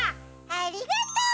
ありがとう！